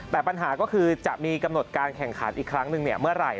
แต่ปัญหาก็คือจะมีกำหนดการแข่งขันอีกครั้งหนึ่งเมื่อไหร่